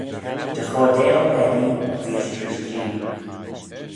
Dy chordail peccee reesht rish Jee.